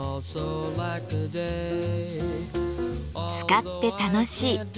使って楽しい。